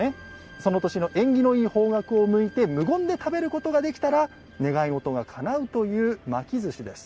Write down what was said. その年の縁起のいい方角を向いて無言で食べることができたら願い事がかなうという巻きずしです。